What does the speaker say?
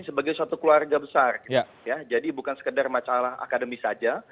sebagai suatu keluarga besar jadi bukan sekedar masalah akademis saja